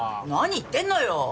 何言ってんのよ！